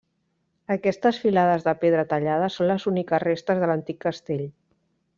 Aquestes filades de pedra tallada són les úniques restes de l'antic castell.